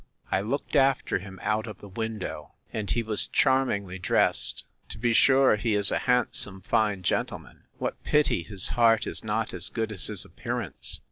I looked after him out of the window; and he was charmingly dressed: To be sure he is a handsome fine gentleman!—What pity his heart is not as good as his appearance!